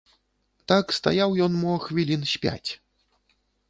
Так стаяў ён мо хвілін з пяць.